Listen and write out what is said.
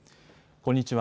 こんにちは。